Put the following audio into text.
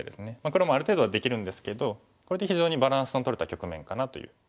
黒もある程度はできるんですけどこれで非常にバランスのとれた局面かなという気はします。